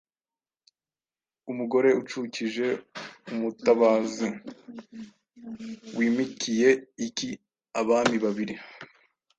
Umugore ucukije umutabazi, Wimikiye iki Abami babiri :